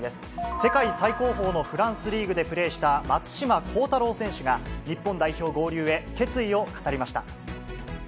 世界最高峰のフランスリーグでプレーした松島幸太朗選手が、日本代表合流へ、決意を語りました。